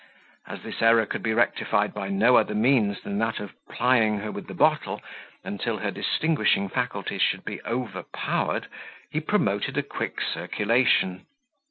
As this error could be rectified by no other means than those of plying her with the bottle, until her distinguishing faculties should be overpowered, he promoted a quick circulation.